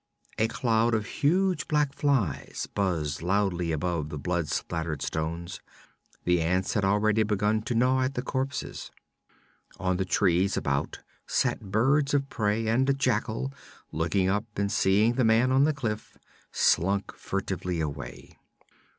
A cloud of huge black flies buzzed loudly above the blood splashed stones; the ants had already begun to gnaw at the corpses. On the trees about sat birds of prey, and a jackal, looking up and seeing the man on the cliff, slunk furtively away.